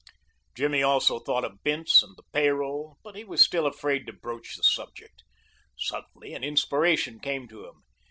Jimmy also thought of Bince and the pay roll, but he was still afraid to broach the subject. Suddenly an inspiration came to him.